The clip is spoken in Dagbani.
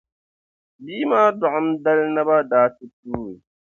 bia maa dɔɣim dali naba daa ti tuui.